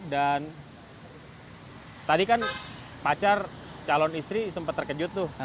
dan tadi kan pacar calon istri sempat terkejut tuh